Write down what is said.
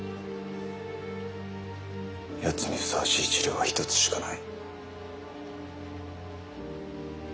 やつにふさわしい治療は一つしかない。